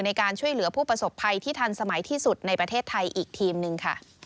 ในการช่วยเหลือผู้ประสบภัยที่ทันสมัยที่สุดในประเทศไทยอีกทีมหนึ่งค่ะ